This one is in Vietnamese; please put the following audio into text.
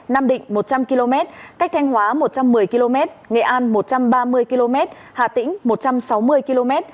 nam định một trăm linh km cách thanh hóa một trăm một mươi km nghệ an một trăm ba mươi km hà tĩnh một trăm sáu mươi km